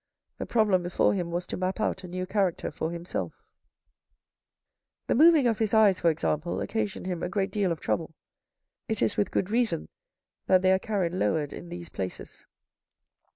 The problem before him was to map out a new character for himself. THE WORLD, OR WHAT THE RICH LACK 187 The moving of his eyes for example, occasioned him a great deal of trouble. It is with good reason that they are carried lowered in these places.